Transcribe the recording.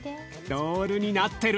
ロールになってる。